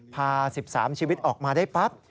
พา๑๓ชีวิตออกมาได้ปั๊บ